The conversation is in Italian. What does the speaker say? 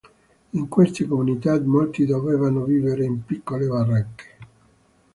In queste comunità molti dovevano vivere in piccole baracche.